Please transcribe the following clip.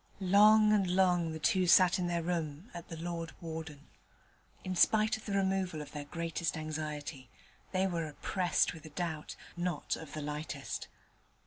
Long and long the two sat in their room at the 'Lord Warden'. In spite of the removal of their greatest anxiety, they were oppressed with a doubt, not of the lightest.